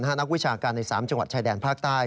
นักวิชาการใน๓จังหวัดชายแดนภาคใต้